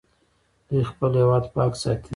دوی خپل هیواد پاک ساتي.